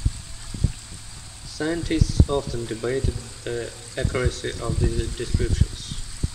Scientists often debated the accuracy of these descriptions.